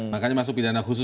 makanya masuk pidana khusus